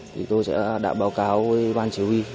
thì tôi sẽ đã báo cáo với ban chỉ huy